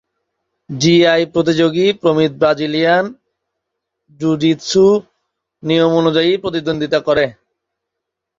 GI প্রতিযোগী প্রমিত Brazilian jujitsu নিয়ম অনুযায়ী প্রতিদ্বন্দ্বিতা করে।